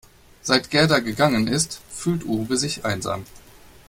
Seit Gerda gegangen ist, fühlt Uwe sich einsam.